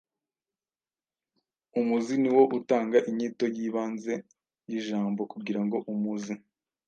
Umuzi ni wo utanga inyito y’ibanze y’ijamboKugira ngo umuzi